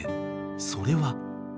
［それは］